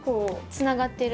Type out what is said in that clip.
つながってる。